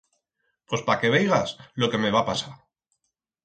Pos pa que veigas lo que me va pasar.